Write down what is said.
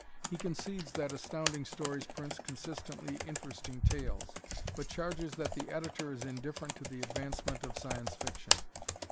He concedes that Astounding Stories prints consistently interesting tales, but charges that the Editor is indifferent to "the advancement of Science Fiction."